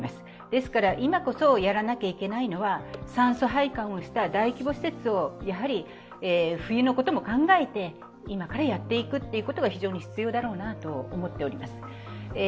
ですから今こそやらなきゃいけないのは、酸素配管をした大規模施設をやはり冬のことも考えて、今からやっていくことが非常に必要だろうなと思っております。